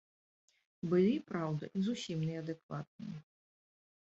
Былі, праўда, і зусім неадэкватныя.